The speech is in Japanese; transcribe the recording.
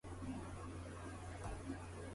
サイトの運営者はきちんと管理できているのか？